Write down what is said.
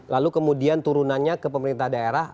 lalu kemudian turunannya ke pemerintah daerah